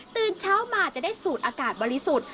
ตื่นเช้ามาจะได้สูดอากาศบริสุทธิ์